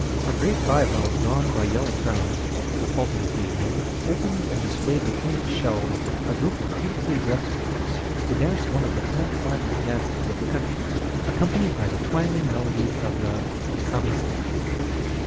A great bivalve drawn by yelling crowds which halted occasionally opened and displayed between its shells a group of beautifully dressed girls, who danced one of the pantomimic dances of the country, accompanied by the twanging melodies of the samisen.